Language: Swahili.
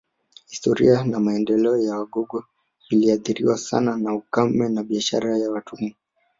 Historia na maendeleo ya Wagogo viliathiriwa sana na ukame na biashara ya watumwa